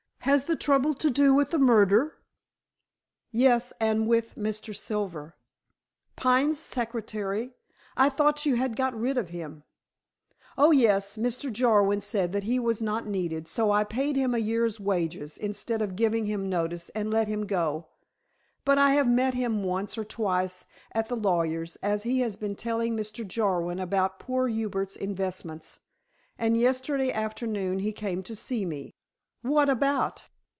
Has the trouble to do with the murder?" "Yes. And with Mr. Silver." "Pine's secretary? I thought you had got rid of him?" "Oh, yes. Mr. Jarwin said that he was not needed, so I paid him a year's wages instead of giving him notice, and let him go. But I have met him once or twice at the lawyers, as he has been telling Mr. Jarwin about poor Hubert's investments. And yesterday afternoon he came to see me." "What about?"